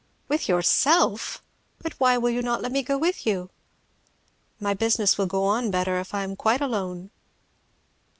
"With yourself! But why will you not let me go with you?" "My business will go on better if I am quite alone."